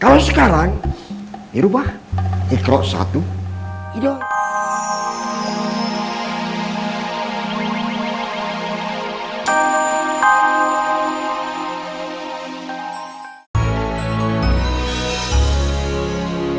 kalau sekarang dirubah ikhrok satu hidoy